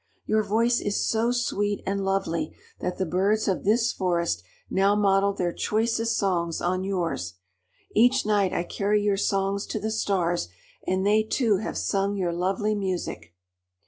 Your voice is so sweet and lovely that the birds of this forest now model their choicest songs on yours. Each night I carry your songs to the Stars, and they too have sung your lovely music."